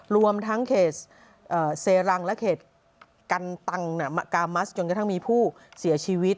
รวมทั้งเขตเซรังและเขตกันตังกามัสจนกระทั่งมีผู้เสียชีวิต